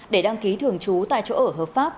để đăng ký thường trú tại chỗ ở hợp pháp